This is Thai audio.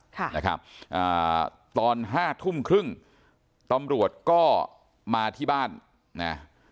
ค่ะนะครับอ่าตอนห้าทุ่มครึ่งตำรวจก็มาที่บ้านนะ